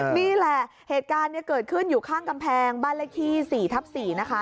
นี่แหละเหตุการณ์เกิดขึ้นอยู่ข้างกำแพงบ้านเลขที่๔ทับ๔นะคะ